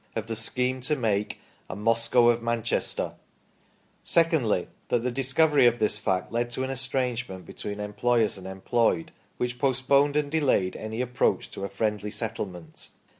of the scheme to make a "Moscow of Manchester"; secondly, that the discovery of this fact led to an estrangement between employers and employed, which postponed and delayed any approach to a friendly settlement.